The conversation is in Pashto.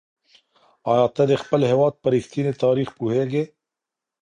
ایا ته د خپل هېواد په رښتیني تاریخ پوهېږې؟